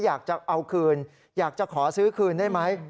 อยากจะเอาคืนอยากจะขอซื้อคืนได้ไหม